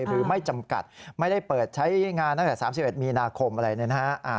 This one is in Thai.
หรือไม่จำกัดไม่ได้เปิดใช้งานตั้งแต่๓๑มีนาคมอะไรเนี่ยนะฮะ